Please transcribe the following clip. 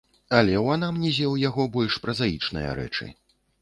Але ў анамнезе ў яго больш празаічныя рэчы.